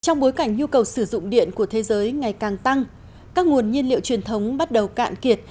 trong bối cảnh nhu cầu sử dụng điện của thế giới ngày càng tăng các nguồn nhiên liệu truyền thống bắt đầu cạn kiệt